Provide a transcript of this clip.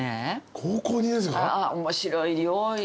面白いよ。